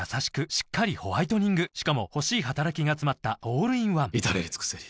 しっかりホワイトニングしかも欲しい働きがつまったオールインワン至れり尽せり